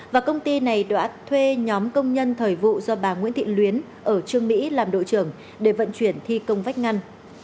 và công ty này đã thuê nhóm công nhân thời vụ do bà nguyễn thị luyến ở trương mỹ làm đội trưởng để vận chuyển thi công vách ngăn